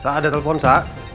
sa ada telepon sa